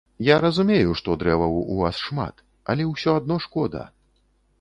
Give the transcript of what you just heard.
Я разумею, што дрэваў у вас шмат, але ўсё адно шкода.